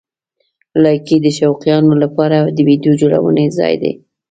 لایکي د شوقیانو لپاره د ویډیو جوړونې ځای دی.